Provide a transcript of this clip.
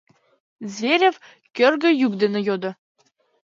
— Зверев кӧргӧ йӱк дене йодо.